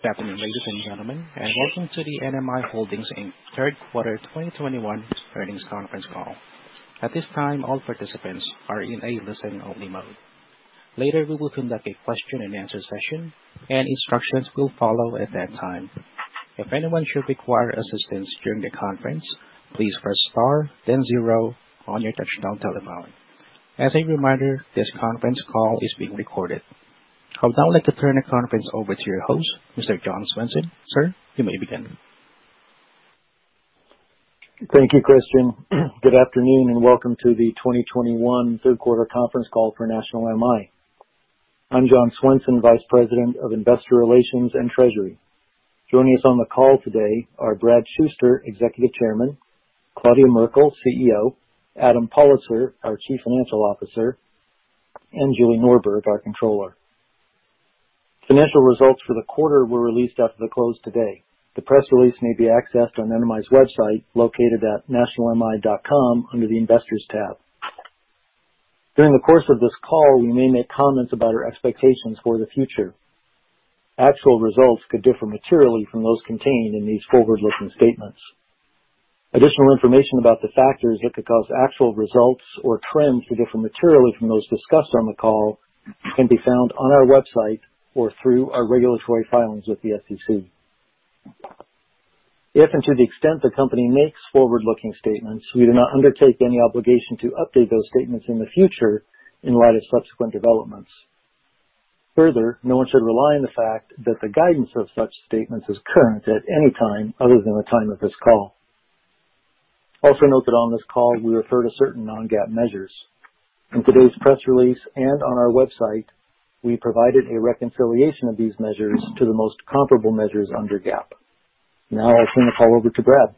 Good afternoon, ladies and gentlemen, and welcome to the NMI Holdings, Inc. third quarter 2021 earnings conference call. At this time, all participants are in a listen-only mode. Later, we will conduct a question-and-answer session, and instructions will follow at that time. If anyone should require assistance during the conference, please press star, then zero on your touch-tone telephone. As a reminder, this conference call is being recorded. I would now like to turn the conference over to your host, Mr. John Swenson. Sir, you may begin. Thank you, Christian. Good afternoon, and welcome to the 2021 third quarter conference call for National MI. I'm John Swenson, Vice President of Investor Relations and Treasury. Joining us on the call today are Bradley Shuster, Executive Chairman, Claudia Merkle, CEO, Adam Pollitzer, our Chief Financial Officer, and Julie Norberg, our Controller. Financial results for the quarter were released after the close today. The press release may be accessed on NMI's website located at nationalmi.com under the Investors tab. During the course of this call, we may make comments about our expectations for the future. Actual results could differ materially from those contained in these forward-looking statements. Additional information about the factors that could cause actual results or trends to differ materially from those discussed on the call can be found on our website or through our regulatory filings with the SEC. If and to the extent the company makes forward-looking statements, we do not undertake any obligation to update those statements in the future in light of subsequent developments. Further, no one should rely on the fact that the guidance of such statements is current at any time other than the time of this call. Also note that on this call, we refer to certain non-GAAP measures. In today's press release and on our website, we provided a reconciliation of these measures to the most comparable measures under GAAP. Now I'll turn the call over to Brad.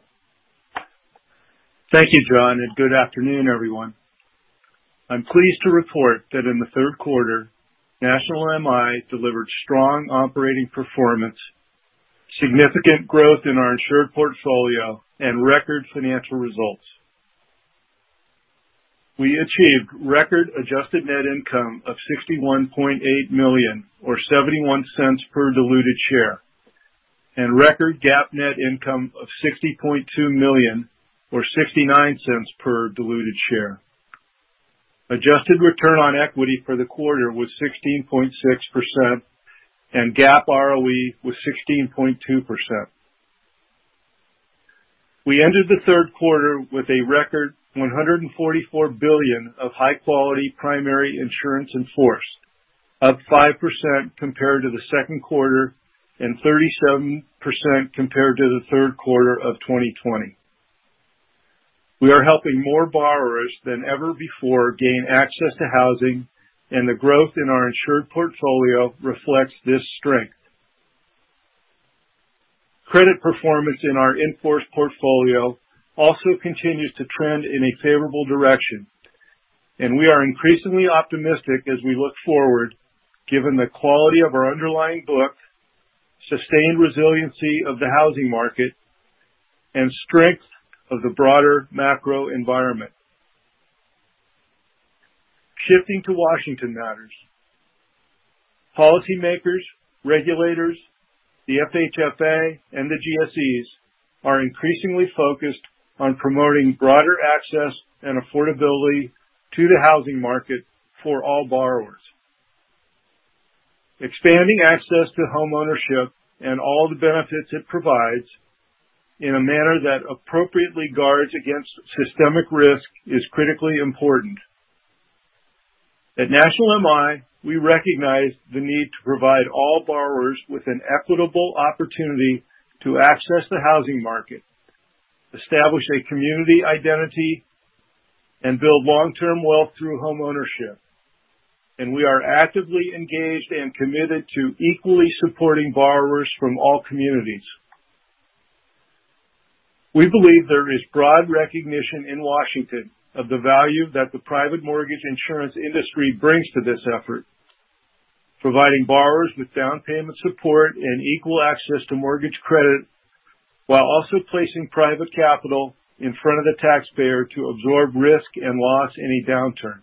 Thank you, John, and good afternoon, everyone. I'm pleased to report that in the third quarter, National MI delivered strong operating performance, significant growth in our insured portfolio and record financial results. We achieved record adjusted net income of $61.8 million or $0.71 per diluted share and record GAAP net income of $60.2 million or $0.69 per diluted share. Adjusted return on equity for the quarter was 16.6% and GAAP ROE was 16.2%. We ended the third quarter with a record $144 billion of high-quality primary insurance in force, up 5% compared to the second quarter and 37% compared to the third quarter of 2020. We are helping more borrowers than ever before gain access to housing, and the growth in our insured portfolio reflects this strength. Credit performance in our in-force portfolio also continues to trend in a favorable direction, and we are increasingly optimistic as we look forward, given the quality of our underlying book, sustained resiliency of the housing market and strength of the broader macro environment. Shifting to Washington matters. Policy makers, regulators, the FHFA and the GSEs are increasingly focused on promoting broader access and affordability to the housing market for all borrowers. Expanding access to homeownership and all the benefits it provides in a manner that appropriately guards against systemic risk is critically important. At National MI, we recognize the need to provide all borrowers with an equitable opportunity to access the housing market, establish a community identity, and build long-term wealth through homeownership. We are actively engaged and committed to equally supporting borrowers from all communities. We believe there is broad recognition in Washington of the value that the private mortgage insurance industry brings to this effort, providing borrowers with down payment support and equal access to mortgage credit while also placing private capital in front of the taxpayer to absorb risk and loss in a downturn.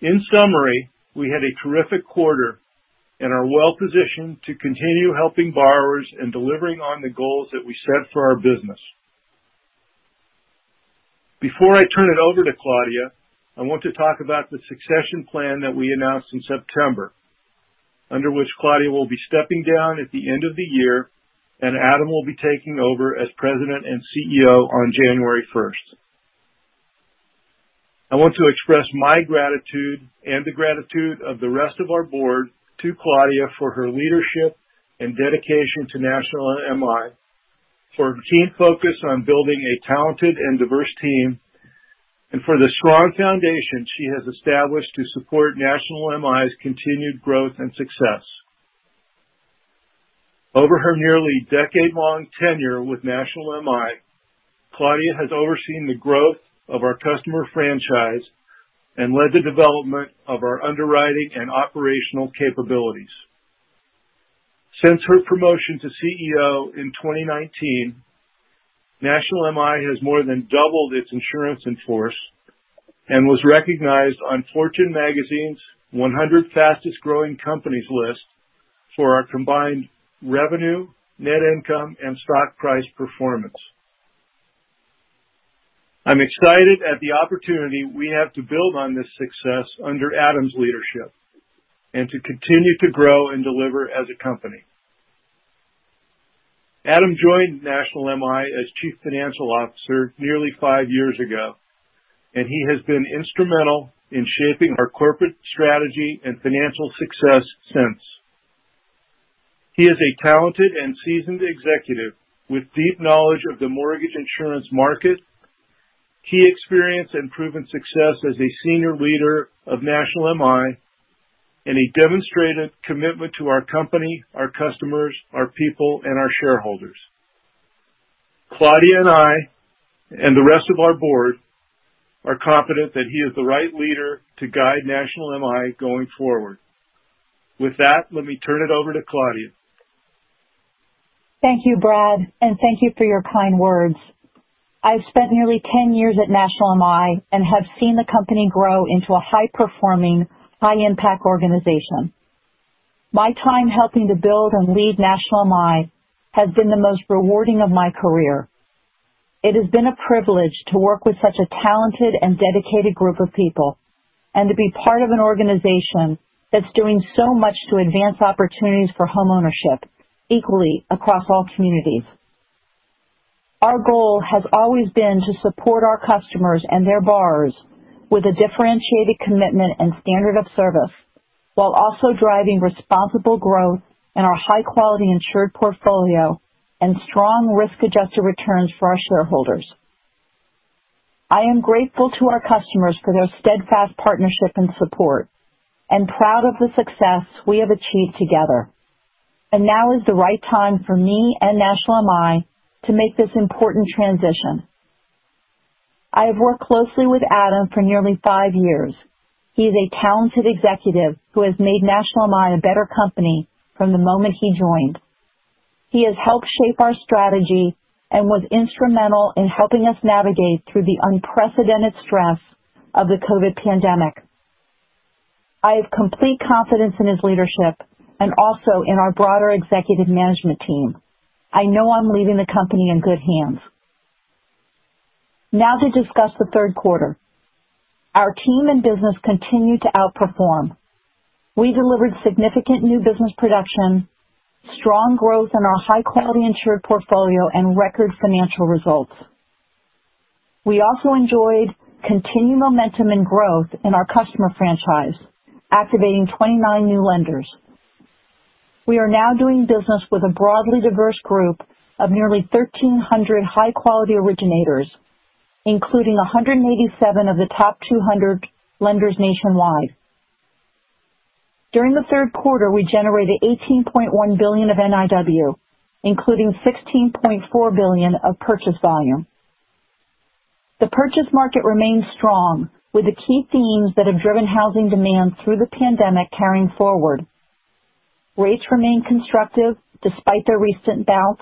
In summary, we had a terrific quarter and are well-positioned to continue helping borrowers and delivering on the goals that we set for our business. Before I turn it over to Claudia, I want to talk about the succession plan that we announced in September, under which Claudia will be stepping down at the end of the year and Adam will be taking over as president and CEO on January 1st. I want to express my gratitude and the gratitude of the rest of our board to Claudia for her leadership and dedication to National MI, for her keen focus on building a talented and diverse team, and for the strong foundation she has established to support National MI's continued growth and success. Over her nearly decade-long tenure with National MI, Claudia has overseen the growth of our customer franchise and led the development of our underwriting and operational capabilities. Since her promotion to CEO in 2019, National MI has more than doubled its insurance in force and was recognized on Fortune magazine's 100 Fastest-Growing Companies list for our combined revenue, net income and stock price performance. I'm excited at the opportunity we have to build on this success under Adam's leadership and to continue to grow and deliver as a company. Adam joined National MI as Chief Financial Officer nearly five years ago, and he has been instrumental in shaping our corporate strategy and financial success since. He is a talented and seasoned executive with deep knowledge of the mortgage insurance market. His experience and proven success as a senior leader of National MI and a demonstrated commitment to our company, our customers, our people, and our shareholders. Claudia and I and the rest of our board are confident that he is the right leader to guide National MI going forward. With that, let me turn it over to Claudia. Thank you, Brad, and thank you for your kind words. I've spent nearly ten years at National MI and have seen the company grow into a high-performing, high-impact organization. My time helping to build and lead National MI has been the most rewarding of my career. It has been a privilege to work with such a talented and dedicated group of people and to be part of an organization that's doing so much to advance opportunities for homeownership equally across all communities. Our goal has always been to support our customers and their borrowers with a differentiated commitment and standard of service, while also driving responsible growth in our high-quality insured portfolio and strong risk-adjusted returns for our shareholders. I am grateful to our customers for their steadfast partnership and support, and proud of the success we have achieved together. Now is the right time for me and National MI to make this important transition. I have worked closely with Adam for nearly five years. He is a talented executive who has made National MI a better company from the moment he joined. He has helped shape our strategy and was instrumental in helping us navigate through the unprecedented stress of the COVID pandemic. I have complete confidence in his leadership and also in our broader executive management team. I know I'm leaving the company in good hands. Now to discuss the third quarter. Our team and business continued to outperform. We delivered significant new business production, strong growth in our high-quality insured portfolio and record financial results. We also enjoyed continued momentum and growth in our customer franchise, activating 29 new lenders. We are now doing business with a broadly diverse group of nearly 1,300 high-quality originators, including 187 of the top 200 lenders nationwide. During the third quarter, we generated $18.1 billion of NIW, including $16.4 billion of purchase volume. The purchase market remains strong with the key themes that have driven housing demand through the pandemic carrying forward. Rates remain constructive despite their recent bounce.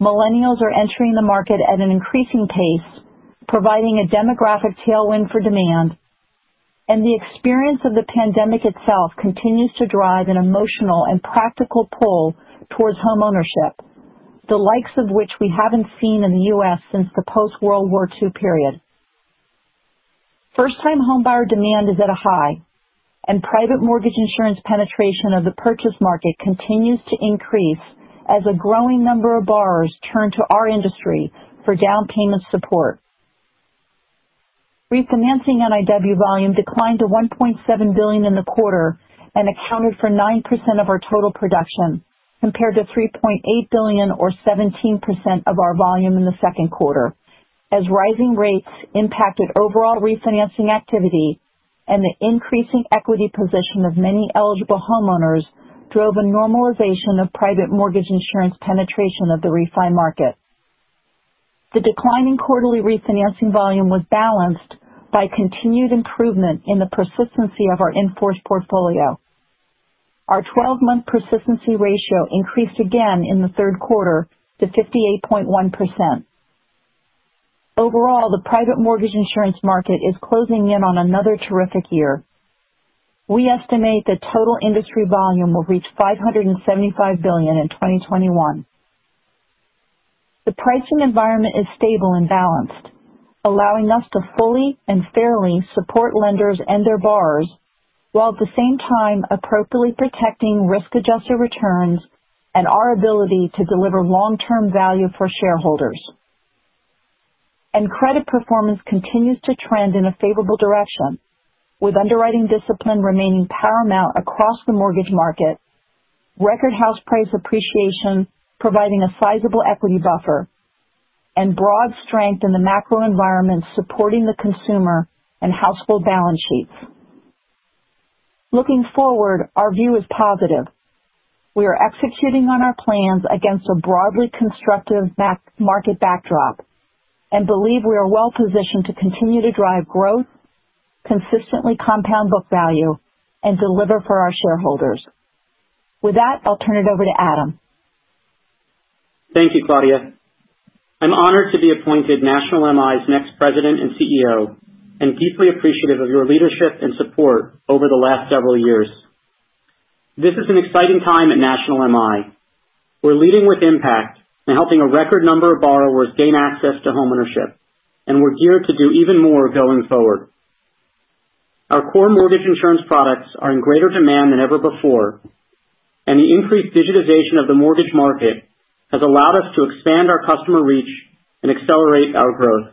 Millennials are entering the market at an increasing pace, providing a demographic tailwind for demand. The experience of the pandemic itself continues to drive an emotional and practical pull towards homeownership, the likes of which we haven't seen in the U.S. since the post-World War II period. First-time homebuyer demand is at a high, and private mortgage insurance penetration of the purchase market continues to increase as a growing number of borrowers turn to our industry for down payment support. Refinancing NIW volume declined to $1.7 billion in the quarter and accounted for 9% of our total production, compared to $3.8 billion or 17% of our volume in the second quarter. As rising rates impacted overall refinancing activity and the increasing equity position of many eligible homeowners drove a normalization of private mortgage insurance penetration of the refi market. The decline in quarterly refinancing volume was balanced by continued improvement in the persistency of our in-force portfolio. Our 12-month persistency ratio increased again in the third quarter to 58.1%. Overall, the private mortgage insurance market is closing in on another terrific year. We estimate that total industry volume will reach $575 billion in 2021. The pricing environment is stable and balanced, allowing us to fully and fairly support lenders and their borrowers, while at the same time appropriately protecting risk-adjusted returns and our ability to deliver long-term value for shareholders. Credit performance continues to trend in a favorable direction, with underwriting discipline remaining paramount across the mortgage market, record house price appreciation providing a sizable equity buffer, and broad strength in the macro environment supporting the consumer and household balance sheets. Looking forward, our view is positive. We are executing on our plans against a broadly constructive market backdrop and believe we are well-positioned to continue to drive growth, consistently compound book value and deliver for our shareholders. With that, I'll turn it over to Adam. Thank you, Claudia. I'm honored to be appointed National MI's next president and CEO and deeply appreciative of your leadership and support over the last several years. This is an exciting time at National MI. We're leading with impact and helping a record number of borrowers gain access to homeownership, and we're geared to do even more going forward. Our core mortgage insurance products are in greater demand than ever before, and the increased digitization of the mortgage market has allowed us to expand our customer reach and accelerate our growth.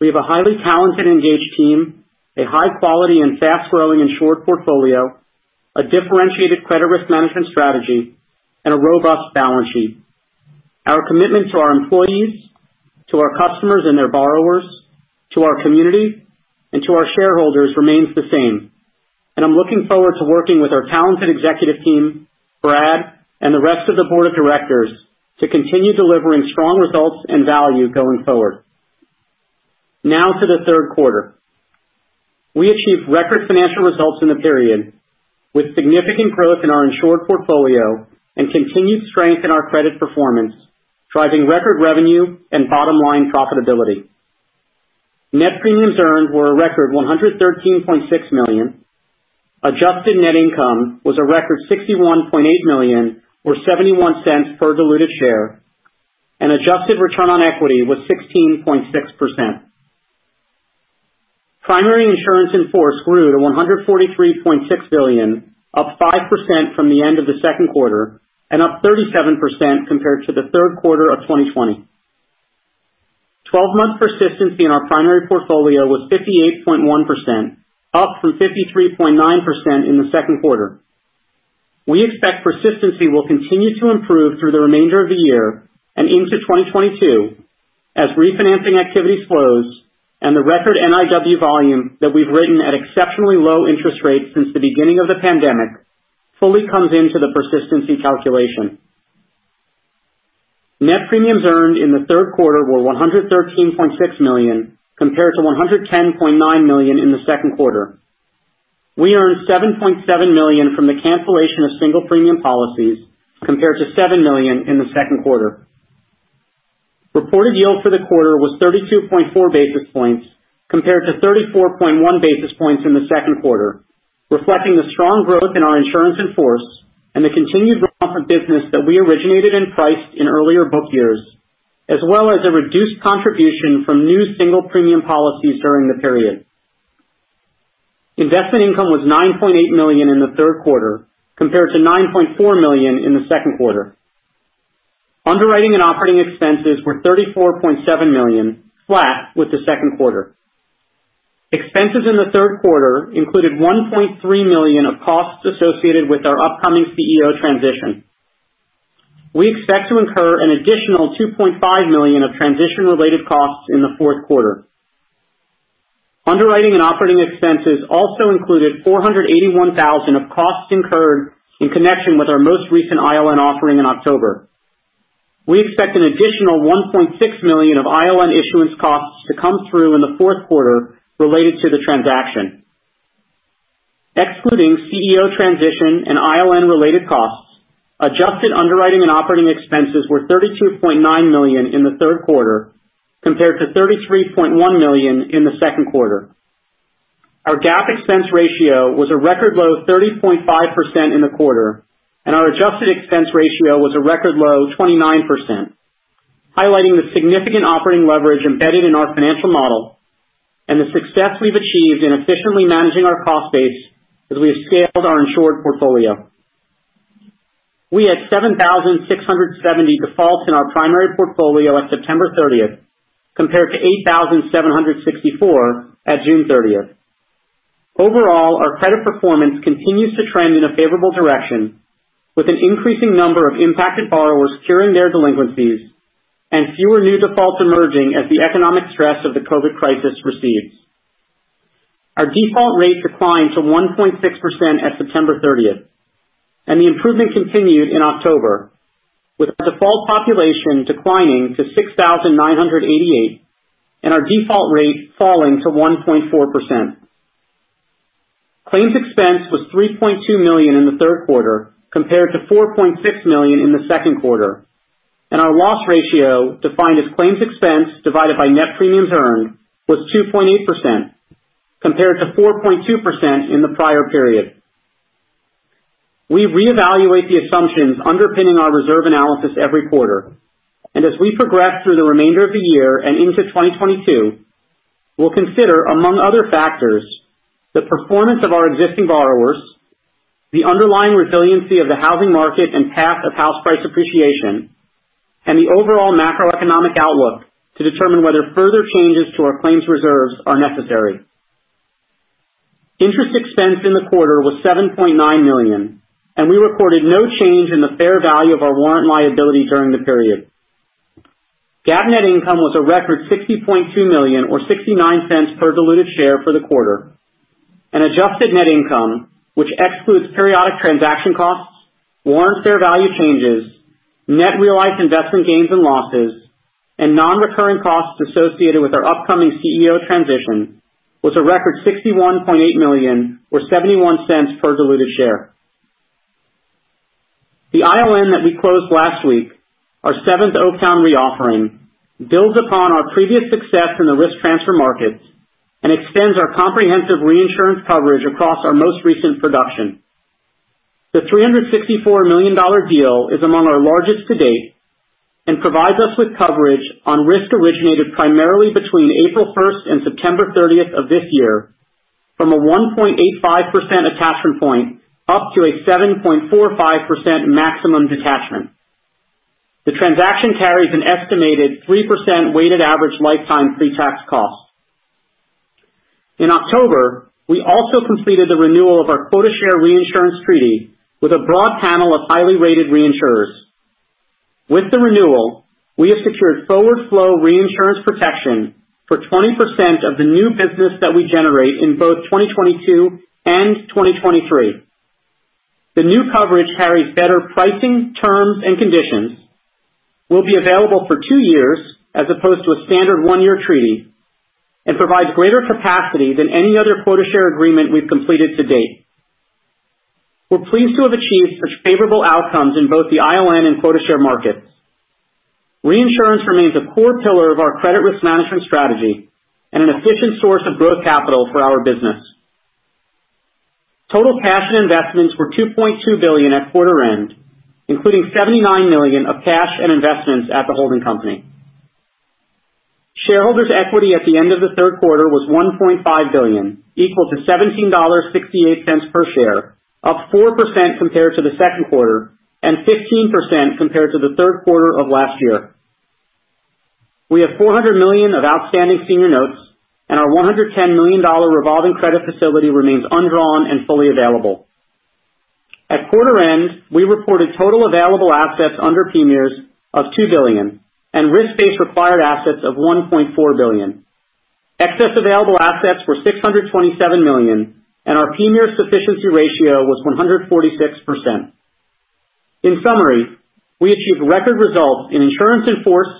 We have a highly talented, engaged team, a high quality and fast-growing insured portfolio, a differentiated credit risk management strategy, and a robust balance sheet. Our commitment to our employees, to our customers and their borrowers, to our community, and to our shareholders remains the same. I'm looking forward to working with our talented executive team, Brad and the rest of the board of directors to continue delivering strong results and value going forward. Now to the third quarter. We achieved record financial results in the period, with significant growth in our insured portfolio and continued strength in our credit performance, driving record revenue and bottom-line profitability. Net Premiums Earned were a record $113.6 million. Adjusted Net Income was a record $61.8 million or $0.71 per diluted share, and Adjusted Return on Equity was 16.6%. Primary Insurance in Force grew to $143.6 billion, up 5% from the end of the second quarter and up 37% compared to the third quarter of 2020. Twelve-month persistency in our primary portfolio was 58.1%, up from 53.9% in the second quarter. We expect persistency will continue to improve through the remainder of the year and into 2022 as refinancing activity slows and the record NIW volume that we've written at exceptionally low interest rates since the beginning of the pandemic fully comes into the persistency calculation. Net premiums earned in the third quarter were $113.6 million, compared to $110.9 million in the second quarter. We earned $7.7 million from the cancellation of single premium policies, compared to $7 million in the second quarter. Reported yield for the quarter was 32.4 basis points, compared to 34.1 basis points in the second quarter, reflecting the strong growth in our insurance in force and the continued drop in business that we originated and priced in earlier book years, as well as a reduced contribution from new single premium policies during the period. Investment income was $9.8 million in the third quarter, compared to $9.4 million in the second quarter. Underwriting and operating expenses were $34.7 million, flat with the second quarter. Expenses in the third quarter included $1.3 million of costs associated with our upcoming CEO transition. We expect to incur an additional $2.5 million of transition-related costs in the fourth quarter. Underwriting and operating expenses also included $481,000 of costs incurred in connection with our most recent ILN offering in October. We expect an additional $1.6 million of ILN issuance costs to come through in the fourth quarter related to the transaction. Excluding CEO transition and ILN-related costs, adjusted underwriting and operating expenses were $32.9 million in the third quarter, compared to $33.1 million in the second quarter. Our GAAP expense ratio was a record low 30.5% in the quarter, and our adjusted expense ratio was a record low 29%, highlighting the significant operating leverage embedded in our financial model and the success we've achieved in efficiently managing our cost base as we have scaled our insured portfolio. We had 7,670 defaults in our primary portfolio as of September thirtieth, compared to 8,764 at June thirtieth. Overall, our credit performance continues to trend in a favorable direction, with an increasing number of impacted borrowers curing their delinquencies and fewer new defaults emerging as the economic stress of the COVID crisis recedes. Our default rate declined to 1.6% at September thirtieth, and the improvement continued in October, with our default population declining to 6,988 and our default rate falling to 1.4%. Claims expense was $3.2 million in the third quarter, compared to $4.6 million in the second quarter, and our loss ratio, defined as claims expense divided by net premiums earned, was 2.8%, compared to 4.2% in the prior period. We reevaluate the assumptions underpinning our reserve analysis every quarter, and as we progress through the remainder of the year and into 2022, we'll consider, among other factors, the performance of our existing borrowers, the underlying resiliency of the housing market and path of house price appreciation, and the overall macroeconomic outlook to determine whether further changes to our claims reserves are necessary. Interest expense in the quarter was $7.9 million, and we recorded no change in the fair value of our warrant liability during the period. GAAP Net Income was a record $60.2 million, or $0.69 per diluted share for the quarter, and Adjusted Net Income, which excludes periodic transaction costs, warrant fair value changes, net realized investment gains and losses and non-recurring costs associated with our upcoming CEO transition was a record $61.8 million, or $0.71 per diluted share. The ILN that we closed last week, our seventh Oaktown Re offering, builds upon our previous success in the risk transfer markets and extends our comprehensive reinsurance coverage across our most recent production. The $364 million deal is among our largest to date and provides us with coverage on risk originated primarily between April 1 and September 30 of this year from a 1.85% attachment point up to a 7.45% maximum detachment. The transaction carries an estimated 3% weighted average lifetime pre-tax cost. In October, we also completed the renewal of our quota share reinsurance treaty with a broad panel of highly rated reinsurers. With the renewal, we have secured forward flow reinsurance protection for 20% of the new business that we generate in both 2022 and 2023. The new coverage carries better pricing terms and conditions, will be available for two years as opposed to a standard one year treaty, and provides greater capacity than any other quota share agreement we've completed to date. We're pleased to have achieved such favorable outcomes in both the ILN and quota share markets. Reinsurance remains a core pillar of our credit risk management strategy and an efficient source of growth capital for our business. Total cash and investments were $2.2 billion at quarter end, including $79 million of cash and investments at the holding company. Shareholders' equity at the end of the third quarter was $1.5 billion, equal to $17.68 per share, up 4% compared to the second quarter and 15% compared to the third quarter of last year. We have $400 million of outstanding senior notes, and our $110 million revolving credit facility remains undrawn and fully available. At quarter end, we reported total available assets under PMIERs of $2 billion and risk-based required assets of $1.4 billion. Excess available assets were $627 million, and our PMIER sufficiency ratio was 146%. In summary, we achieved record results in insurance in force,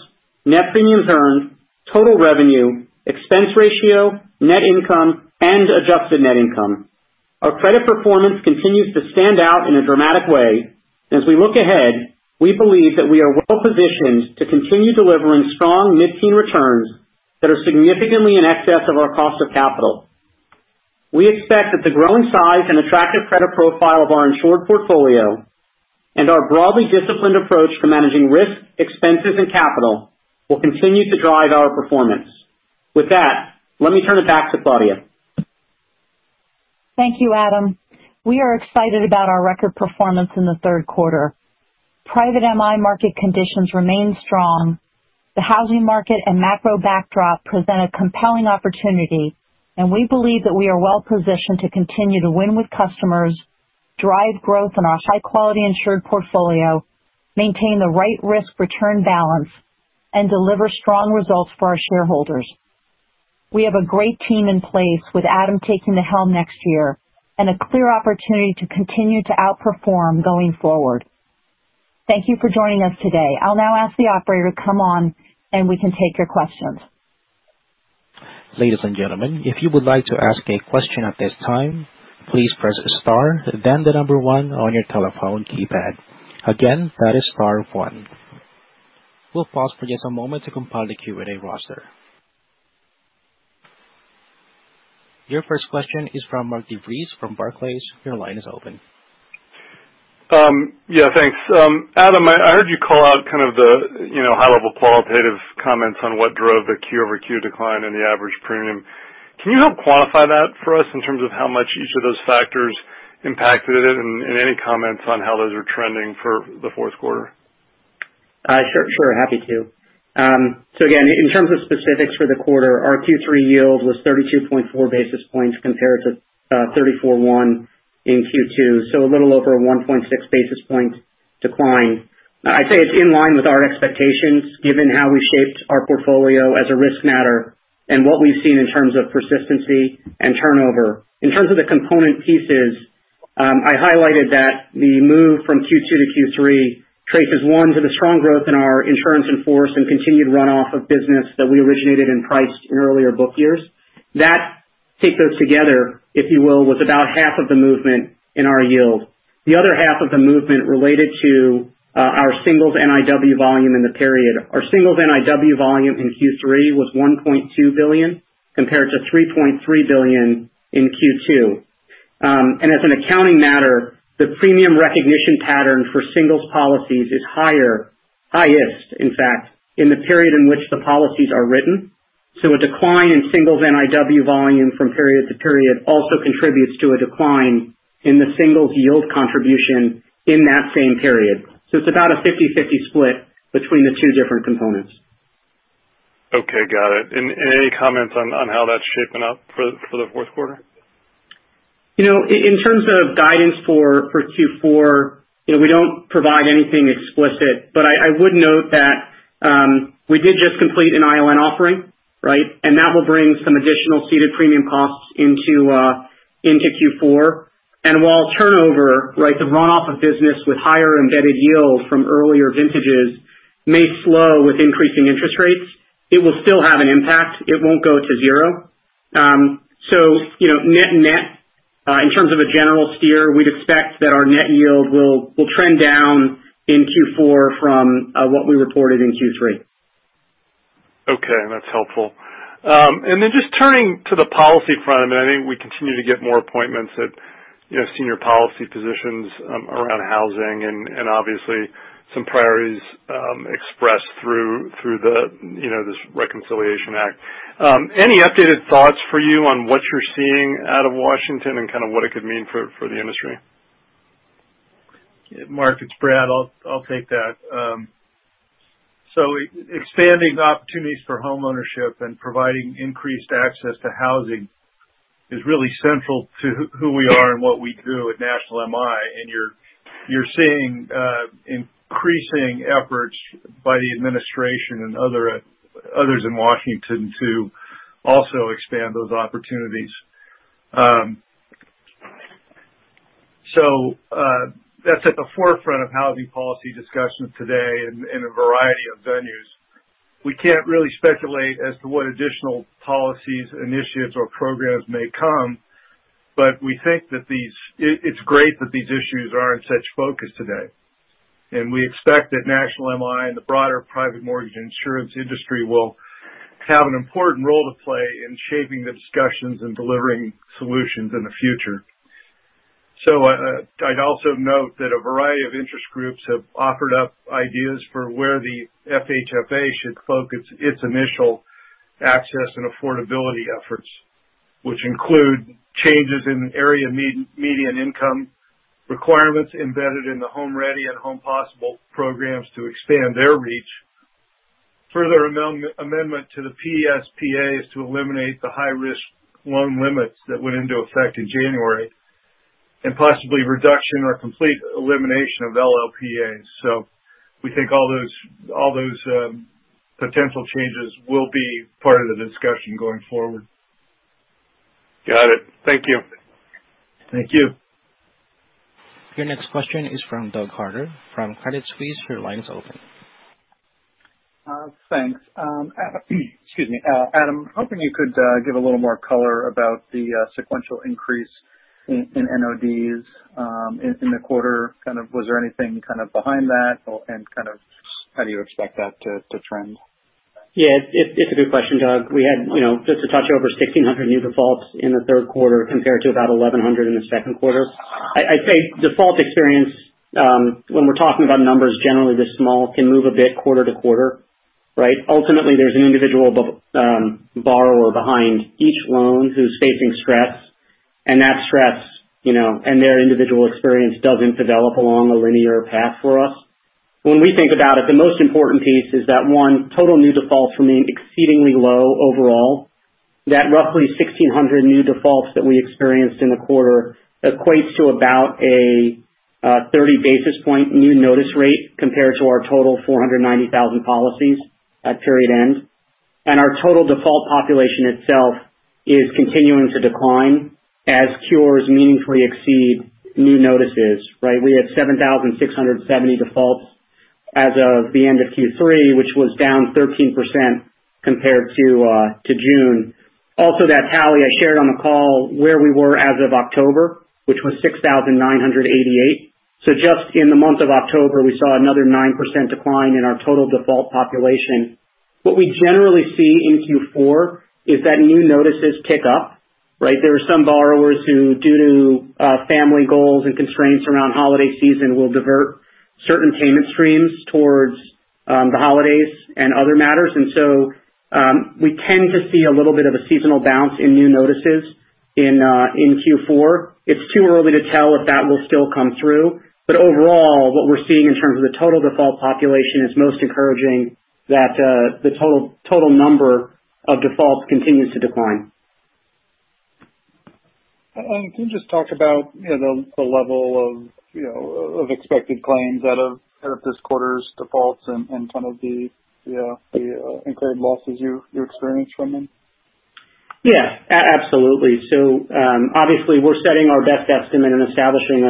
net premiums earned, total revenue, expense ratio, net income, and adjusted net income. Our credit performance continues to stand out in a dramatic way. As we look ahead, we believe that we are well-positioned to continue delivering strong mid-teen returns that are significantly in excess of our cost of capital. We expect that the growing size and attractive credit profile of our insured portfolio and our broadly disciplined approach to managing risk, expenses, and capital will continue to drive our performance. With that, let me turn it back to Claudia. Thank you, Adam. We are excited about our record performance in the third quarter. Private MI market conditions remain strong. The housing market and macro backdrop present a compelling opportunity, and we believe that we are well-positioned to continue to win with customers, drive growth in our high-quality insured portfolio, maintain the right risk-return balance, and deliver strong results for our shareholders. We have a great team in place, with Adam taking the helm next year, and a clear opportunity to continue to outperform going forward. Thank you for joining us today. I'll now ask the operator to come on, and we can take your questions. Ladies and gentlemen, if you would like to ask a question at this time, please press star then the number one on your telephone keypad. Again, that is star one. We'll pause for just a moment to compile the Q&A roster. Your first question is from Mark DeVries from Barclays. Your line is open. Yeah, thanks. Adam, I heard you call out kind of the, you know, high-level qualitative comments on what drove the Q over Q decline in the average premium. Can you help quantify that for us in terms of how much each of those factors impacted it, and any comments on how those are trending for the fourth quarter? Sure, happy to. Again, in terms of specifics for the quarter, our Q3 yield was 32.4 basis points compared to 34.1 in Q2, so a little over 1.6 basis points decline. I'd say it's in line with our expectations, given how we shaped our portfolio as a risk matter and what we've seen in terms of persistency and turnover. In terms of the component pieces, I highlighted that the move from Q2 to Q3 traces to the strong growth in our insurance in force and continued runoff of business that we originated and priced in earlier book years. That, taken together, if you will, was about half of the movement in our yield. The other half of the movement related to our singles NIW volume in the period. Our singles NIW volume in Q3 was $1.2 billion, compared to $3.3 billion in Q2. As an accounting matter, the premium recognition pattern for singles policies is highest, in fact, in the period in which the policies are written. A decline in singles NIW volume from period to period also contributes to a decline in the singles yield contribution in that same period. It's about a 50-50 split between the two different components. Okay, got it. Any comments on how that's shaping up for the fourth quarter? You know, in terms of guidance for Q4, you know, we don't provide anything explicit. I would note that we did just complete an ILN offering, right? That will bring some additional ceded premium costs into Q4. While turnover, right, the runoff of business with higher embedded yield from earlier vintages may slow with increasing interest rates, it will still have an impact. It won't go to zero. You know, net-net, in terms of a general steer, we'd expect that our net yield will trend down in Q4 from what we reported in Q3. Okay, that's helpful. Just turning to the policy front, I mean, I think we continue to get more appointments at, you know, senior policy positions around housing and obviously some priorities expressed through the, you know, this Reconciliation Act. Any updated thoughts for you on what you're seeing out of Washington and kinda what it could mean for the industry? Mark, it's Brad. I'll take that. Expanding opportunities for homeownership and providing increased access to housing is really central to who we are and what we do at National MI. You're seeing increasing efforts by the administration and others in Washington to also expand those opportunities. That's at the forefront of housing policy discussions today in a variety of venues. We can't really speculate as to what additional policies, initiatives, or programs may come, but we think that it's great that these issues are in such focus today. We expect that National MI and the broader private mortgage insurance industry will have an important role to play in shaping the discussions and delivering solutions in the future. I'd also note that a variety of interest groups have offered up ideas for where the FHFA should focus its initial access and affordability efforts, which include changes in area median income requirements embedded in the HomeReady and Home Possible programs to expand their reach. Further amendment to the PSPAs to eliminate the high risk loan limits that went into effect in January, and possibly reduction or complete elimination of LLPAs. We think all those potential changes will be part of the discussion going forward. Got it. Thank you. Thank you. Your next question is from Doug Harter from Credit Suisse. Your line is open. Thanks. Adam, I hope you could give a little more color about the sequential increase in NODs in the quarter. Was there anything behind that or how do you expect that to trend? Yeah, it's a good question, Doug. We had, you know, just to touch over 1,600 new defaults in the third quarter compared to about 1,100 in the second quarter. I'd say default experience, when we're talking about numbers generally this small, can move a bit quarter to quarter, right? Ultimately, there's an individual borrower behind each loan who's facing stress, and that stress, you know, and their individual experience doesn't develop along a linear path for us. When we think about it, the most important piece is that, one, total new defaults remain exceedingly low overall. That roughly 1,600 new defaults that we experienced in the quarter equates to about a 30 basis point new notice rate compared to our total 490,000 policies at period end. Our total default population itself is continuing to decline as cures meaningfully exceed new notices, right? We had 7,670 defaults as of the end of Q3, which was down 13% compared to June. Also, that tally I shared on the call where we were as of October, which was 6,988. Just in the month of October, we saw another 9% decline in our total default population. What we generally see in Q4 is that new notices pick up, right? There are some borrowers who, due to family goals and constraints around holiday season, will divert certain payment streams towards the holidays and other matters. We tend to see a little bit of a seasonal bounce in new notices in Q4. It's too early to tell if that will still come through. Overall, what we're seeing in terms of the total default population is most encouraging that the total number of defaults continues to decline. Can you just talk about, you know, the level of, you know, of expected claims out of this quarter's defaults and some of the incurred losses you experienced from them? Yeah. Absolutely. Obviously we're setting our best estimate and establishing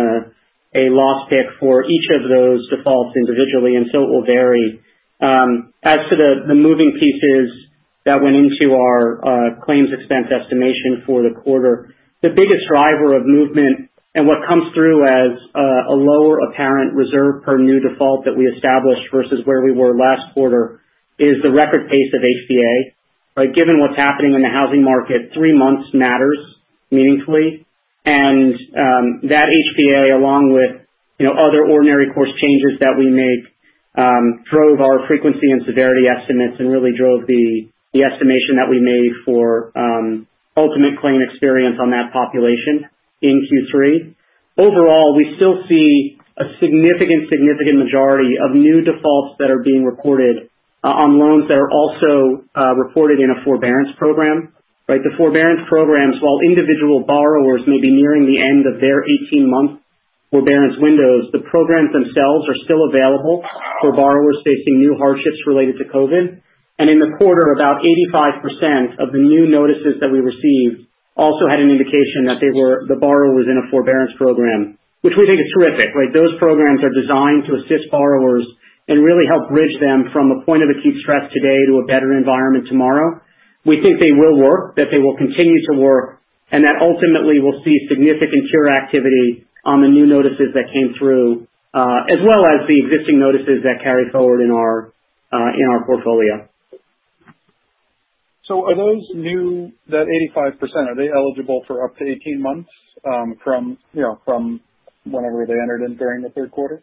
a loss pick for each of those defaults individually, and it will vary. As to the moving pieces that went into our claims expense estimation for the quarter, the biggest driver of movement and what comes through as a lower apparent reserve per new default that we established versus where we were last quarter is the record pace of HPA, right? Given what's happening in the housing market, three months matters meaningfully. That HPA along with, you know, other ordinary course changes that we make drove our frequency and severity estimates and really drove the estimation that we made for ultimate claim experience on that population in Q3. Overall, we still see a significant majority of new defaults that are being recorded on loans that are also reported in a forbearance program, right? The forbearance programs, while individual borrowers may be nearing the end of their 18-month forbearance windows. The programs themselves are still available for borrowers facing new hardships related to COVID. In the quarter, about 85% of the new notices that we received also had an indication that they were in a forbearance program, which we think is terrific, right? Those programs are designed to assist borrowers and really help bridge them from a point of acute stress today to a better environment tomorrow. We think they will work, that they will continue to work, and that ultimately we'll see significant cure activity on the new notices that came through, as well as the existing notices that carried forward in our portfolio. That 85%, are they eligible for up to 18 months from you know from whenever they entered in during the third quarter?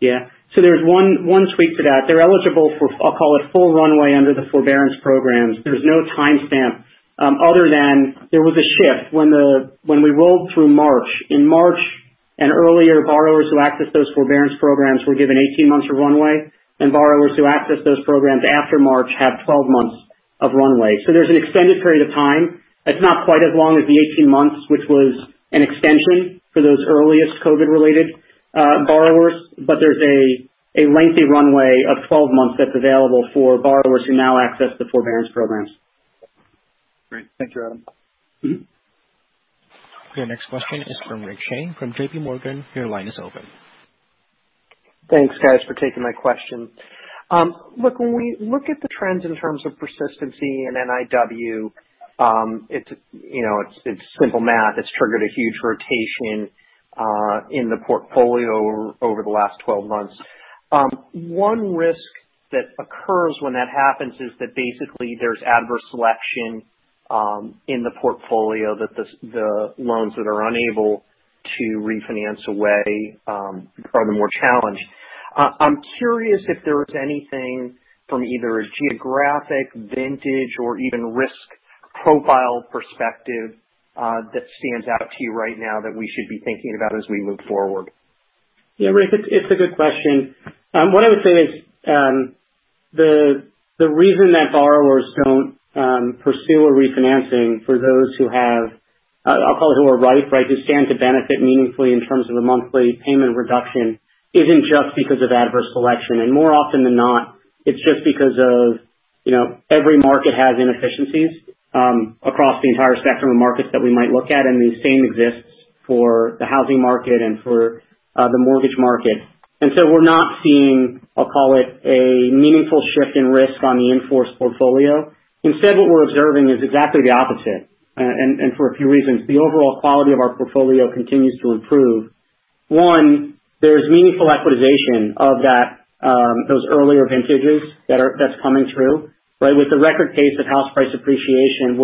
Yeah. There's one tweak to that. They're eligible for, I'll call it, full runway under the forbearance programs. There's no timestamp, other than there was a shift when we rolled through March. In March and earlier, borrowers who accessed those forbearance programs were given 18 months of runway, and borrowers who accessed those programs after March have 12 months of runway. There's an extended period of time. It's not quite as long as the 18 months, which was an extension for those earliest COVID-related borrowers, but there's a lengthy runway of 12 months that's available for borrowers who now access the forbearance programs. Great. Thank you, Adam. Mm-hmm. Your next question is from Rick Shane from JPMorgan. Your line is open. Thanks, guys, for taking my question. Look, when we look at the trends in terms of persistency and NIW, it's, you know, simple math. It's triggered a huge rotation in the portfolio over the last 12 months. One risk that occurs when that happens is that basically there's adverse selection in the portfolio, that the loans that are unable to refinance away are the more challenged. I'm curious if there is anything from either a geographic vintage or even risk profile perspective that stands out to you right now that we should be thinking about as we move forward. Yeah, Rick, it's a good question. What I would say is the reason that borrowers don't pursue a refinancing for those who have I'll call it who are ripe, right, who stand to benefit meaningfully in terms of a monthly payment reduction isn't just because of adverse selection. More often than not, it's just because of you know every market has inefficiencies across the entire spectrum of markets that we might look at, and the same exists for the housing market and for the mortgage market. We're not seeing I'll call it a meaningful shift in risk on the in-force portfolio. Instead, what we're observing is exactly the opposite, and for a few reasons. The overall quality of our portfolio continues to improve. One, there's meaningful equitization of that, those earlier vintages that's coming through, right? With the record pace of house price appreciation,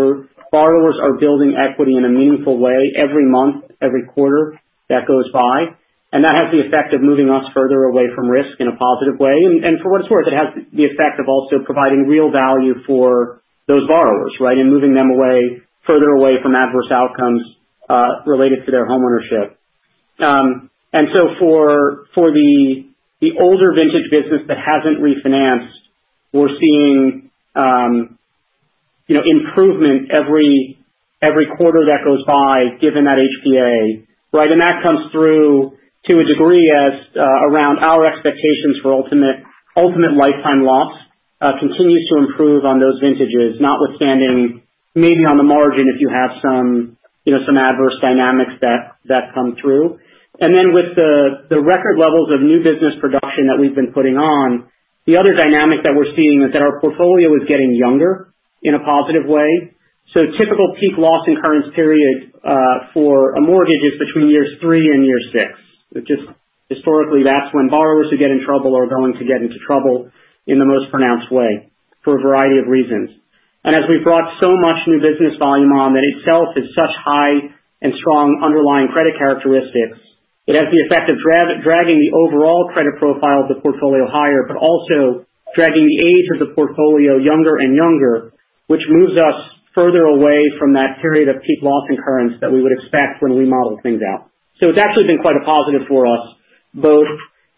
borrowers are building equity in a meaningful way every month, every quarter that goes by. That has the effect of moving us further away from risk in a positive way. For what it's worth, it has the effect of also providing real value for those borrowers, right? In moving them away, further away from adverse outcomes related to their homeownership. For the older vintage business that hasn't refinanced, we're seeing you know, improvement every quarter that goes by given that HPA, right? That comes through to a degree as around our expectations for ultimate lifetime loss continues to improve on those vintages, notwithstanding maybe on the margin if you have some, you know, some adverse dynamics that come through. Then with the record levels of new business production that we've been putting on, the other dynamic that we're seeing is that our portfolio is getting younger in a positive way. Typical peak loss incurrence period for a mortgage is between years three and six, which is historically when borrowers who get in trouble are going to get into trouble in the most pronounced way for a variety of reasons. As we've brought so much new business volume on that itself is such high and strong underlying credit characteristics, it has the effect of dragging the overall credit profile of the portfolio higher, but also dragging the age of the portfolio younger and younger, which moves us further away from that period of peak loss occurrence that we would expect when we model things out. It's actually been quite a positive for us, both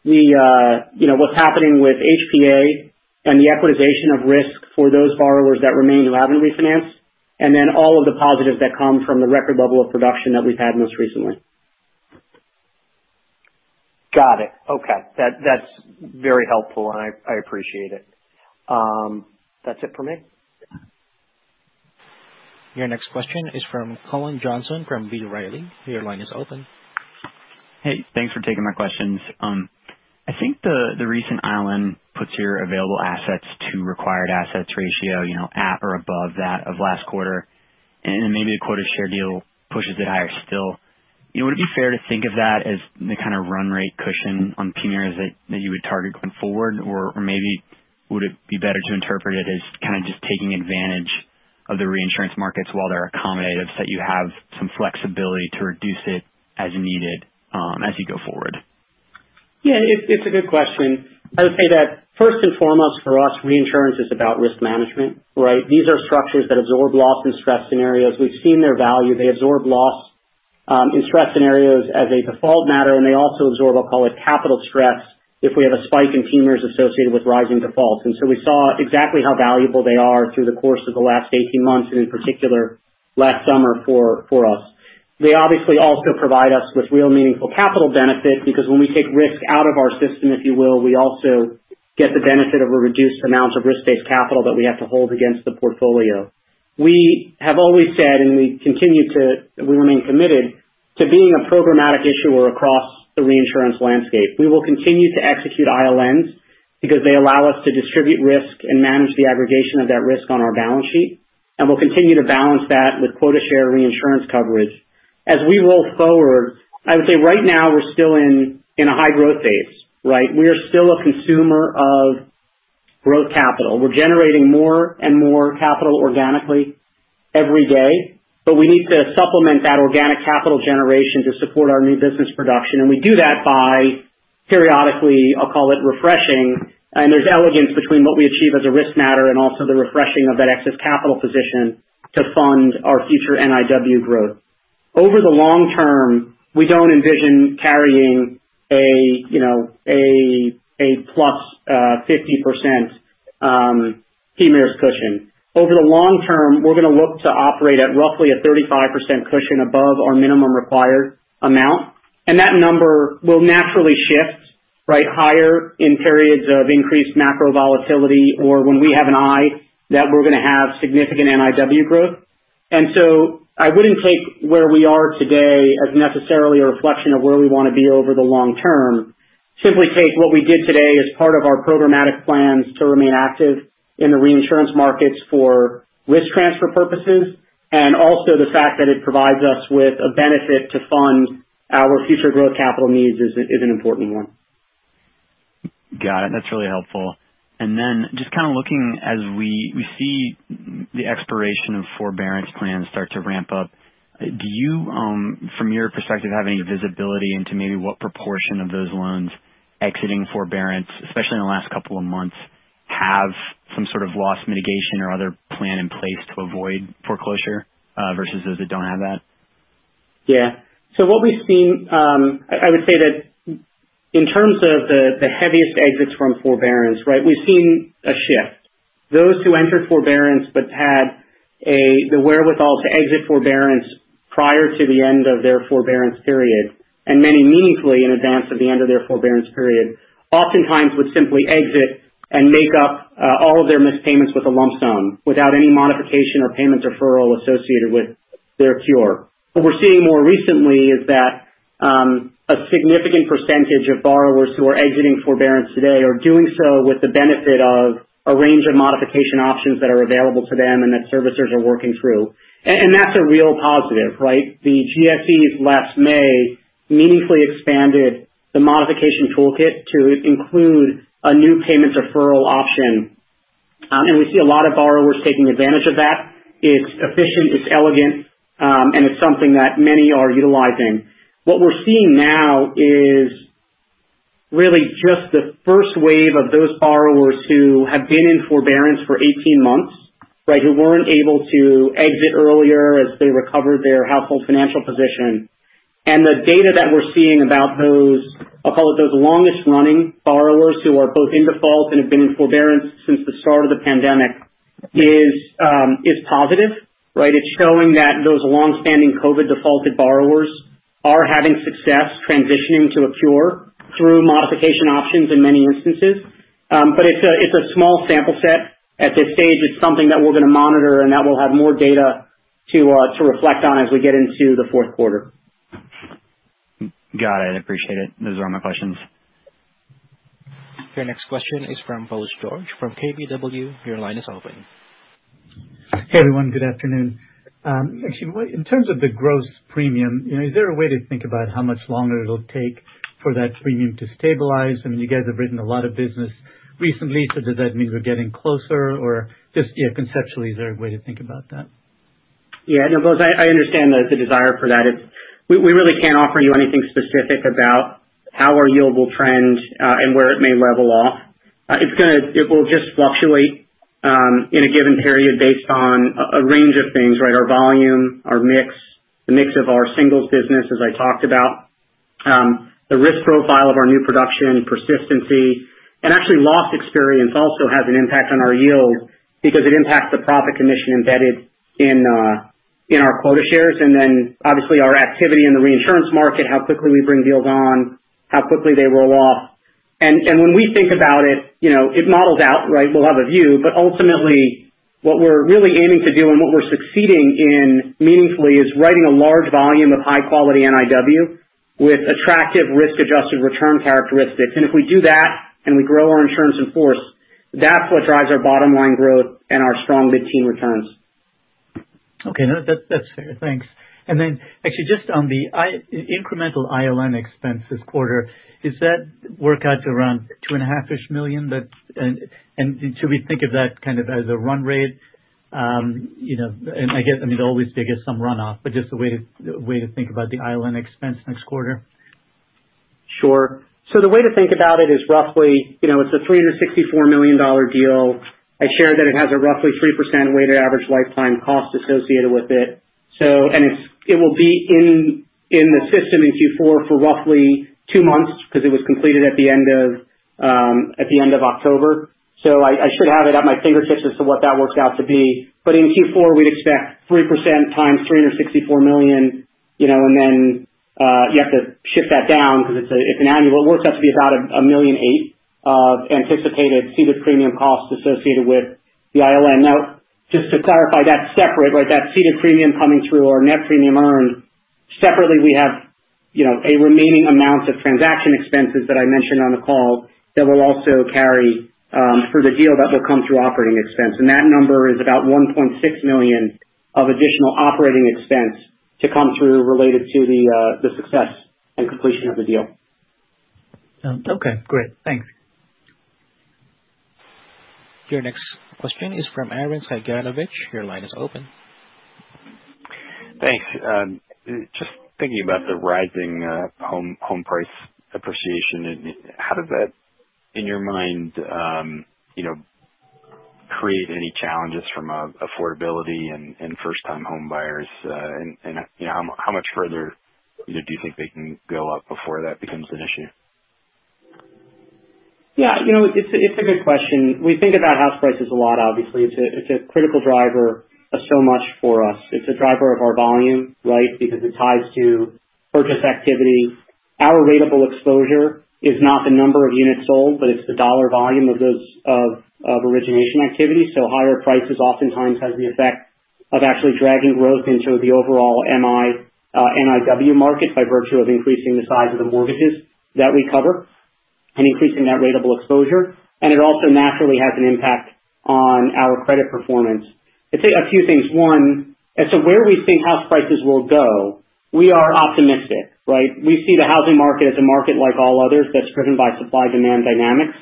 the, you know, what's happening with HPA and the equalization of risk for those borrowers that remain who haven't refinanced, and then all of the positives that come from the record level of production that we've had most recently. Got it. Okay. That, that's very helpful, and I appreciate it. That's it for me. Your next question is from Colin Johnson from B. Riley. Your line is open. Hey, thanks for taking my questions. I think the recent ILN puts your available assets to required assets ratio, you know, at or above that of last quarter, and maybe a quota share deal pushes it higher still. You know, would it be fair to think of that as the kinda run rate cushion on PMIERs that you would target going forward? Or maybe would it be better to interpret it as kinda just taking advantage of the reinsurance markets while they're accommodative, so that you have some flexibility to reduce it as needed, as you go forward? Yeah, it's a good question. I would say that first and foremost, for us, reinsurance is about risk management, right? These are structures that absorb loss in stress scenarios. We've seen their value. They absorb loss in stress scenarios as a default matter, and they also absorb, I'll call it, capital stress if we have a spike in PMIERs associated with rising defaults. We saw exactly how valuable they are through the course of the last 18 months, and in particular, last summer for us. They obviously also provide us with real meaningful capital benefit because when we take risk out of our system, if you will, we also get the benefit of a reduced amount of risk-based capital that we have to hold against the portfolio. We have always said we remain committed to being a programmatic issuer across the reinsurance landscape. We will continue to execute ILNs because they allow us to distribute risk and manage the aggregation of that risk on our balance sheet. We'll continue to balance that with quota share reinsurance coverage. As we roll forward, I would say right now we're still in a high growth phase, right? We are still a consumer of growth capital. We're generating more and more capital organically every day, but we need to supplement that organic capital generation to support our new business production. We do that by periodically, I'll call it refreshing. There's elegance between what we achieve as a risk matter and also the refreshing of that excess capital position to fund our future NIW growth. Over the long term, we don't envision carrying a you know a plus 50% PMIERs cushion. Over the long term, we're gonna look to operate at roughly a 35% cushion above our minimum required amount, and that number will naturally shift, right, higher in periods of increased macro volatility or when we have an eye that we're gonna have significant NIW growth. I wouldn't take where we are today as necessarily a reflection of where we wanna be over the long term. Simply take what we did today as part of our programmatic plans to remain active in the reinsurance markets for risk transfer purposes, and also the fact that it provides us with a benefit to fund our future growth capital needs is an important one. Got it. That's really helpful. Just kind of looking as we see the expiration of forbearance plans start to ramp up, do you from your perspective have any visibility into maybe what proportion of those loans exiting forbearance, especially in the last couple of months, have some sort of loss mitigation or other plan in place to avoid foreclosure versus those that don't have that? Yeah. What we've seen, I would say that in terms of the heaviest exits from forbearance, right? We've seen a shift. Those who entered forbearance but had the wherewithal to exit forbearance prior to the end of their forbearance period, and many meaningfully in advance of the end of their forbearance period, oftentimes would simply exit and make up all of their missed payments with a lump sum without any modification or payment deferral associated with their cure. What we're seeing more recently is that a significant percentage of borrowers who are exiting forbearance today are doing so with the benefit of a range of modification options that are available to them and that servicers are working through. And that's a real positive, right? The GSEs last May meaningfully expanded the modification toolkit to include a new payment deferral option. We see a lot of borrowers taking advantage of that. It's efficient, it's elegant, and it's something that many are utilizing. What we're seeing now is really just the first wave of those borrowers who have been in forbearance for 18 months, right? Who weren't able to exit earlier as they recovered their household financial position. The data that we're seeing about those, I'll call it, those longest running borrowers who are both in default and have been in forbearance since the start of the pandemic is positive, right? It's showing that those longstanding COVID defaulted borrowers are having success transitioning to a cure through modification options in many instances. It's a small sample set. At this stage, it's something that we're gonna monitor and that we'll have more data to reflect on as we get into the fourth quarter. Got it. Appreciate it. Those are all my questions. Your next question is from Bose George from KBW. Your line is open. Hey, everyone. Good afternoon. Actually, in terms of the gross premium, you know, is there a way to think about how much longer it'll take for that premium to stabilize? I mean, you guys have written a lot of business recently, so does that mean we're getting closer? Or just, yeah, conceptually, is there a way to think about that? Yeah. No, Bose, I understand the desire for that. We really can't offer you anything specific about how our yield will trend, and where it may level off. It will just fluctuate in a given period based on a range of things, right? Our volume, our mix, the mix of our singles business, as I talked about, the risk profile of our new production persistency. Actually loss experience also has an impact on our yield because it impacts the profit commission embedded in our quota shares, and then obviously our activity in the reinsurance market, how quickly we bring deals on, how quickly they roll off. When we think about it, you know, it models out, right, we'll have a view, but ultimately what we're really aiming to do and what we're succeeding in meaningfully is writing a large volume of high quality NIW with attractive risk adjusted return characteristics. If we do that and we grow our insurance in force, that's what drives our bottom line growth and our strongest team returns. Okay. No, that's fair. Thanks. Actually just on the incremental ILN expense this quarter, is that worth around $2.5 million-ish? Should we think of that kind of as a run rate? You know, I guess, I mean, always there is some runoff, but a way to think about the ILN expense next quarter. Sure. The way to think about it is roughly, you know, it's a $364 million deal. I shared that it has a roughly 3% weighted average lifetime cost associated with it. It will be in the system in Q4 for roughly two months because it was completed at the end of October. I should have it at my fingertips as to what that works out to be. In Q4, we'd expect 3% times $364 million, you know, and then you have to shift that down because it's an annual. It works out to be about a $1.8 million of anticipated ceded premium costs associated with the ILN. Now, just to clarify, that's separate. Like, that ceded premium coming through our net premium earned. Separately, we have, you know, a remaining amount of transaction expenses that I mentioned on the call that will also carry for the deal that will come through operating expense. That number is about $1.6 million of additional operating expense to come through related to the success and completion of the deal. Okay. Great. Thanks. Your next question is from Arren Cyganovich. Your line is open. Thanks. Just thinking about the rising home price appreciation. How does that, in your mind, you know, create any challenges from affordability and first-time home buyers? You know, how much further do you think they can go up before that becomes an issue? Yeah. You know, it's a good question. We think about house prices a lot, obviously. It's a critical driver of so much for us. It's a driver of our volume, right? Because it ties to purchase activity. Our ratable exposure is not the number of units sold, but it's the dollar volume of those origination activity. So higher prices oftentimes has the effect of actually dragging growth into the overall MI, NIW market by virtue of increasing the size of the mortgages that we cover and increasing that ratable exposure. It also naturally has an impact on our credit performance. I'd say a few things. One, as to where we think house prices will go, we are optimistic, right? We see the housing market as a market like all others that's driven by supply-demand dynamics.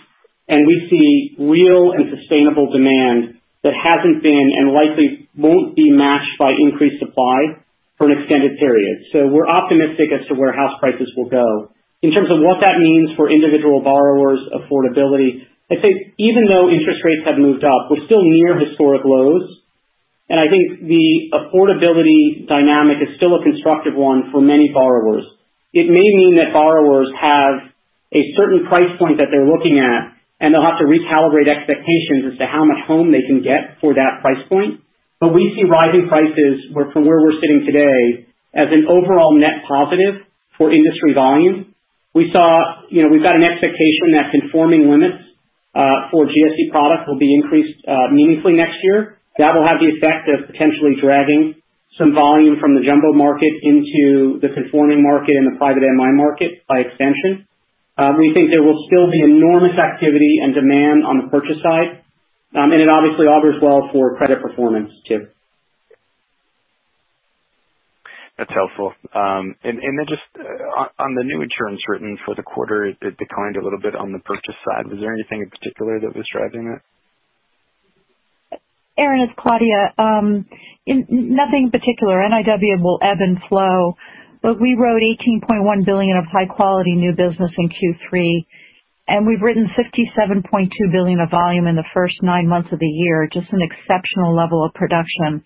We see real and sustainable demand that hasn't been, and likely won't be matched by increased supply for an extended period. We're optimistic as to where house prices will go. In terms of what that means for individual borrowers' affordability, I'd say even though interest rates have moved up, we're still near historic lows. I think the affordability dynamic is still a constructive one for many borrowers. It may mean that borrowers have a certain price point that they're looking at, and they'll have to recalibrate expectations as to how much home they can get for that price point. We see rising prices, where from where we're sitting today, as an overall net positive for industry volume. You know, we've got an expectation that conforming limits for GSE product will be increased meaningfully next year. That will have the effect of potentially dragging some volume from the jumbo market into the conforming market and the private MI market by extension. We think there will still be enormous activity and demand on the purchase side. It obviously augurs well for credit performance too. That's helpful. Just on the New Insurance Written for the quarter, it declined a little bit on the purchase side. Was there anything in particular that was driving that? Arren, it's Claudia. Nothing in particular. NIW will ebb and flow, but we wrote $18.1 billion of high quality new business in Q3, and we've written $67.2 billion of volume in the first nine months of the year. Just an exceptional level of production.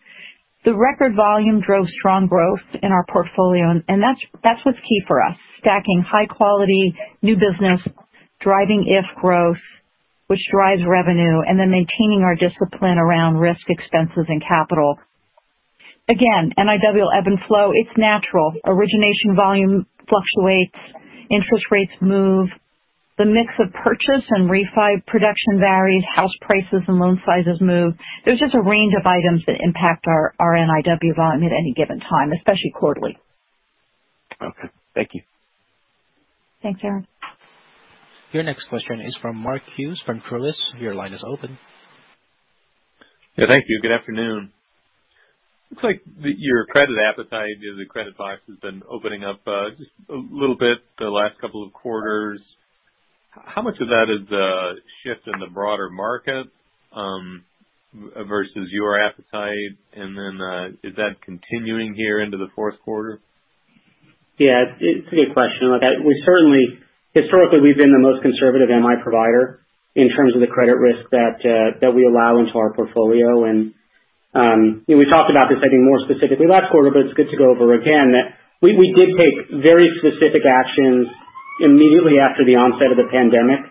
The record volume drove strong growth in our portfolio, and that's what's key for us. Stacking high quality new business, driving our growth, which drives revenue, and then maintaining our discipline around risk expenses and capital. Again, NIW will ebb and flow, it's natural. Origination volume fluctuates, interest rates move, the mix of purchase and refi production varies, house prices and loan sizes move. There's just a range of items that impact our NIW volume at any given time, especially quarterly. Okay. Thank you. Thanks, Arren. Your next question is from Mark Hughes from Truist. Your line is open. Yeah. Thank you. Good afternoon. Looks like your credit appetite as a credit buyer has been opening up just a little bit the last couple of quarters. How much of that is a shift in the broader market versus your appetite? And then, is that continuing here into the fourth quarter? Yeah, it's a good question. We certainly historically we've been the most conservative MI provider in terms of the credit risk that we allow into our portfolio. You know, we talked about this, I think more specifically last quarter, but it's good to go over again. That we did take very specific actions immediately after the onset of the pandemic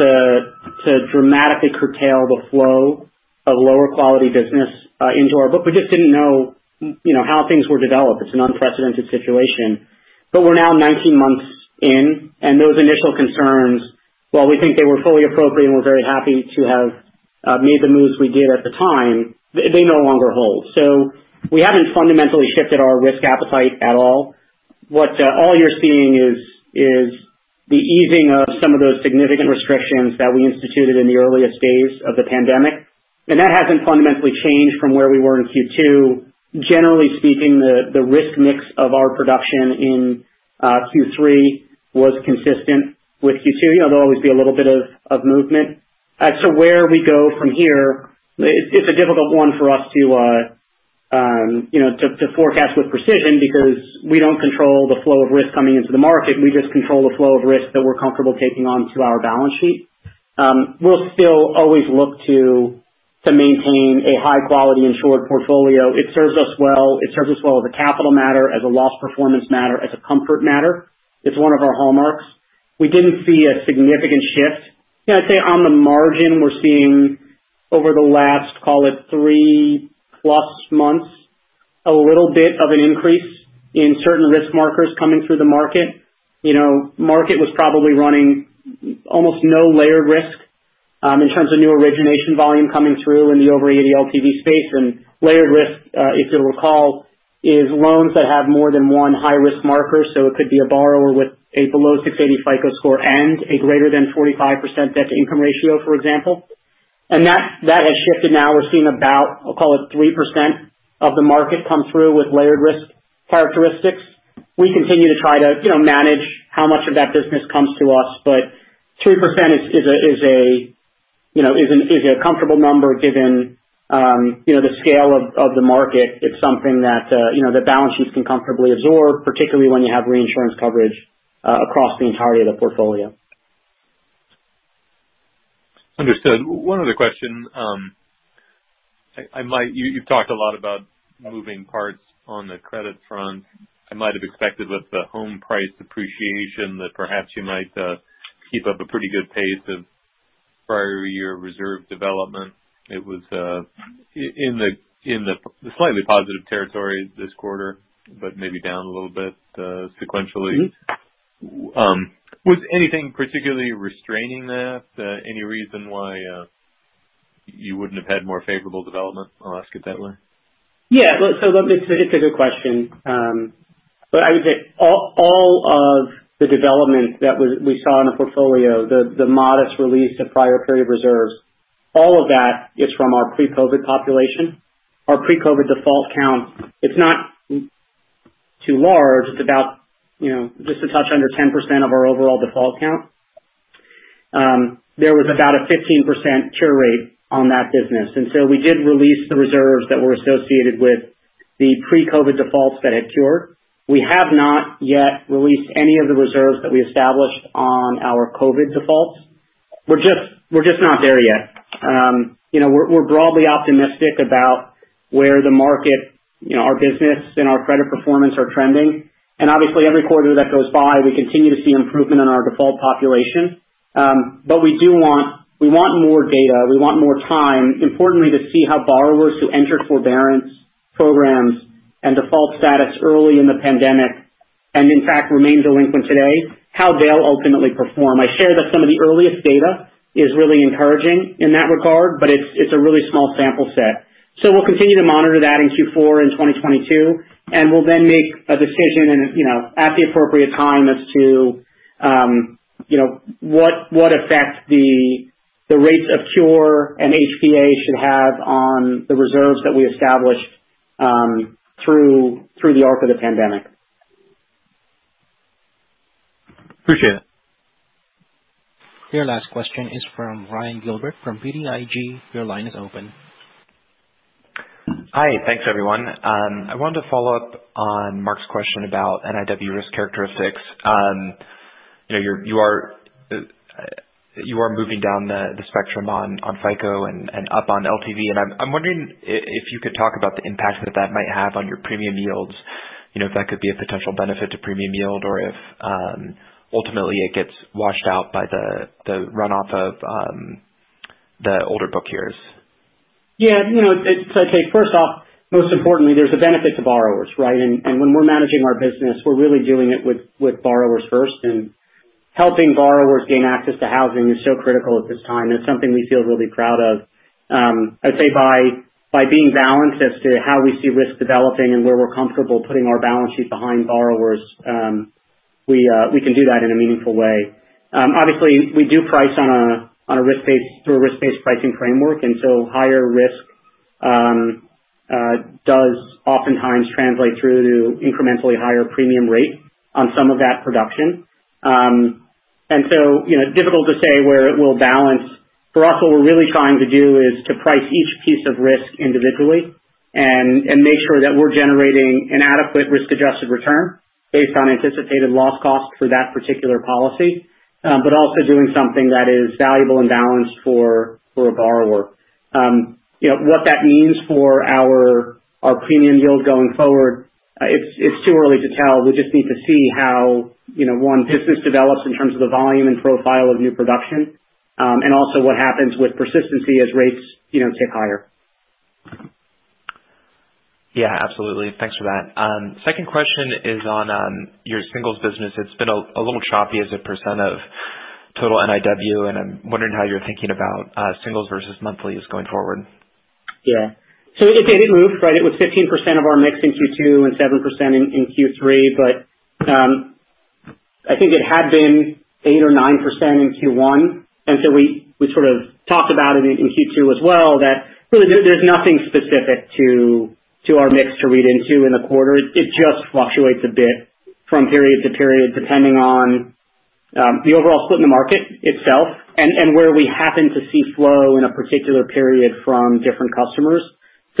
to dramatically curtail the flow of lower quality business into our book. We just didn't know, you know, how things would develop. It's an unprecedented situation. We're now 19 months in, and those initial concerns, while we think they were fully appropriate and we're very happy to have made the moves we did at the time, they no longer hold. We haven't fundamentally shifted our risk appetite at all. What all you're seeing is the easing of some of those significant restrictions that we instituted in the earliest days of the pandemic. That hasn't fundamentally changed from where we were in Q2. Generally speaking, the risk mix of our production in Q3 was consistent with Q2. You know, there'll always be a little bit of movement. Where we go from here, it's a difficult one for us to you know forecast with precision because we don't control the flow of risk coming into the market. We just control the flow of risk that we're comfortable taking onto our balance sheet. We'll still always look to maintain a high quality insured portfolio. It serves us well as a capital matter, as a loss performance matter, as a comfort matter. It's one of our hallmarks. We didn't see a significant shift. You know, I'd say on the margin we're seeing over the last, call it, 3-plus months, a little bit of an increase in certain risk markers coming through the market. You know, market was probably running almost no layered risk in terms of new origination volume coming through in the over 80 LTV space. Layered risk, if you'll recall, is loans that have more than one high risk marker. It could be a borrower with a below 680 FICO score and a greater than 45% debt to income ratio, for example. That has shifted now. We're seeing about, I'll call it 3% of the market come through with layered risk characteristics. We continue to try to, you know, manage how much of that business comes to us, but 2% is a comfortable number given, you know, the scale of the market. It's something that, you know, the balance sheets can comfortably absorb, particularly when you have reinsurance coverage across the entirety of the portfolio. Understood. One other question. You've talked a lot about moving parts on the credit front. I might have expected with the home price appreciation that perhaps you might keep up a pretty good pace of prior year reserve development. It was in the slightly positive territory this quarter, but maybe down a little bit, sequentially. Mm-hmm. Was anything particularly restraining that? Any reason why you wouldn't have had more favorable development? I'll ask it that way. It's a good question. I would say all of the development that we saw in the portfolio, the modest release of prior period reserves, all of that is from our pre-COVID population. Our pre-COVID default count, it's not too large. It's about, you know, just a touch under 10% of our overall default count. There was about a 15% cure rate on that business, and so we did release the reserves that were associated with the pre-COVID defaults that had cured. We have not yet released any of the reserves that we established on our COVID defaults. We're just not there yet. You know, we're broadly optimistic about where the market, you know, our business and our credit performance are trending. Obviously, every quarter that goes by, we continue to see improvement in our default population. We do want more data, more time, importantly, to see how borrowers who enter forbearance programs and default status early in the pandemic and in fact remain delinquent today, how they'll ultimately perform. I'll share that some of the earliest data is really encouraging in that regard, but it's a really small sample set. We'll continue to monitor that in Q4 in 2022, and we'll then make a decision, you know, at the appropriate time as to what effect the rates of cure and HPA should have on the reserves that we established through the arc of the pandemic. Appreciate it. Your last question is from Ryan Gilbert from BTIG. Your line is open. Hi. Thanks, everyone. I wanted to follow up on Mark's question about NIW risk characteristics. You know, you are moving down the spectrum on FICO and up on LTV, and I'm wondering if you could talk about the impact that that might have on your premium yields. If that could be a potential benefit to premium yield or if ultimately it gets washed out by the runoff of the older book years. Yeah. You know, it's, I'd say first off, most importantly, there's a benefit to borrowers, right? When we're managing our business, we're really doing it with borrowers first. Helping borrowers gain access to housing is so critical at this time. It's something we feel really proud of. I'd say by being balanced as to how we see risk developing and where we're comfortable putting our balance sheet behind borrowers, we can do that in a meaningful way. Obviously we do price through a risk-based pricing framework, and higher risk does oftentimes translate through to incrementally higher premium rate on some of that production. You know, difficult to say where it will balance. For us, what we're really trying to do is to price each piece of risk individually and make sure that we're generating an adequate risk-adjusted return based on anticipated loss cost for that particular policy. Also doing something that is valuable and balanced for a borrower. You know, what that means for our premium yield going forward, it's too early to tell. We just need to see how, you know, our business develops in terms of the volume and profile of new production, and also what happens with persistency as rates, you know, tick higher. Yeah, absolutely. Thanks for that. Second question is on your singles business. It's been a little choppy as a % of total NIW, and I'm wondering how you're thinking about singles versus monthlies going forward. Yeah. It moved, right? It was 15% of our mix in Q2 and 7% in Q3. I think it had been 8% or 9% in Q1, and we sort of talked about it in Q2 as well, that really there's nothing specific to our mix to read into in the quarter. It just fluctuates a bit from period to period, depending on the overall split in the market itself and where we happen to see flow in a particular period from different customers.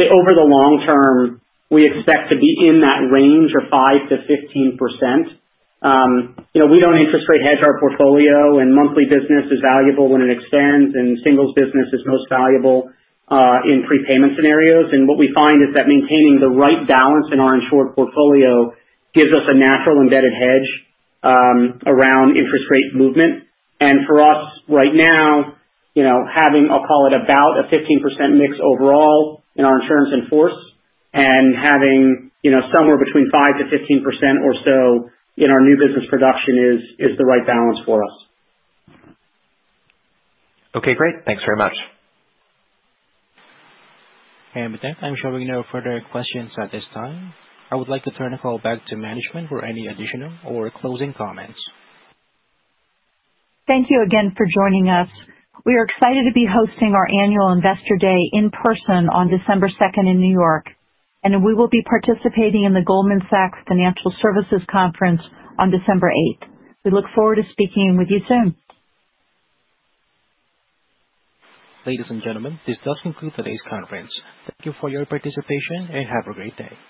Say, over the long term, we expect to be in that range of 5%-15%. You know, we don't interest rate hedge our portfolio, and monthly business is valuable when it extends, and singles business is most valuable in prepayment scenarios. What we find is that maintaining the right balance in our insured portfolio gives us a natural embedded hedge around interest rate movement. For us right now, you know, having, I'll call it, about a 15% mix overall in our insurance in force and having, you know, somewhere between 5%-15% or so in our new business production is the right balance for us. Okay, great. Thanks very much. With that, I'm showing no further questions at this time. I would like to turn the call back to management for any additional or closing comments. Thank you again for joining us. We are excited to be hosting our annual Investor Day in person on December 2nd in New York, and we will be participating in the Goldman Sachs Financial Services Conference on December 8th. We look forward to speaking with you soon. Ladies and gentlemen, this does conclude today's conference. Thank you for your participation, and have a great day.